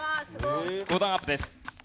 ５段アップです。